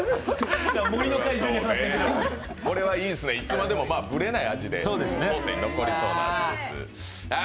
これはいいですね、いつまでもぶれないで後世に残るっていう。